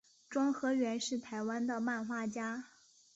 庄河源是台湾的漫画家。